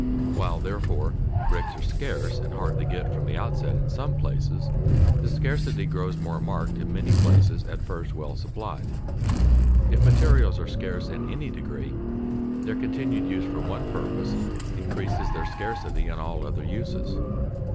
While, therefore, bricks are scarce and hard to get from the outset in some places, the scarcity grows more marked in many places at first well supplied. If materials are scarce in any degree, their continued use for one purpose increases their scarcity in all other uses.